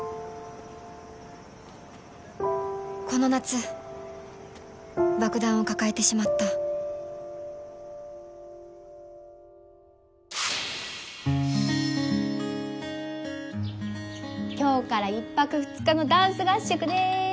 この夏爆弾を抱えてしまった今日から１泊２日のダンス合宿です。